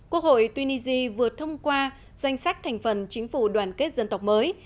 quốc hội tunisia vừa thông qua danh sách thành phần chính phủ đoàn kết dân tộc mới